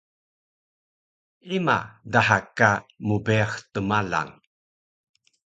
Ima daha ka mbeyax tmalang?